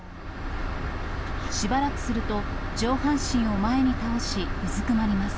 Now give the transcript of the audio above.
しばらくすると、上半身を前に倒し、うずくまります。